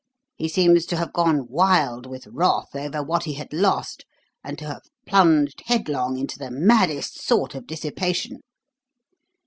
He seems to have gone wild with wrath over what he had lost and to have plunged headlong into the maddest sort of dissipation.